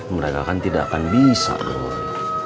mereka kan tidak akan bisa dong